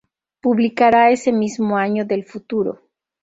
Publicará ese mismo año "Del Futuro.